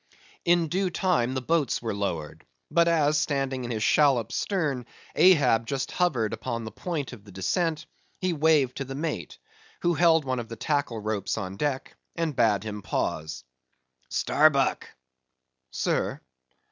In due time the boats were lowered; but as standing in his shallop's stern, Ahab just hovered upon the point of the descent, he waved to the mate,—who held one of the tackle ropes on deck—and bade him pause. "Starbuck!" "Sir?"